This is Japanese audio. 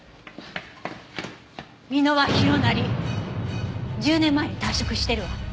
「箕輪宏成」１０年前に退職してるわ。